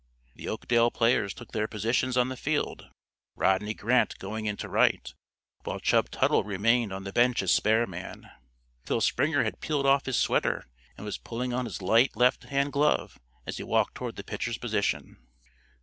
The Oakdale players took their positions on the field, Rodney Grant going into right, while Chub Tuttle remained on the bench as spare man. Phil Springer had peeled off his sweater and was pulling on his light left hand glove as he walked toward the pitcher's position.